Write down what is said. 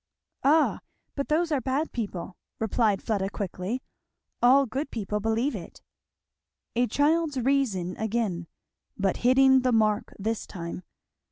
"Ah but those are bad people," replied Fleda quickly; "all good people believe it." A child's reason again, but hitting the mark this time.